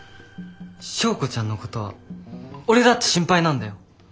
昭子ちゃんのことは俺だって心配なんだよ。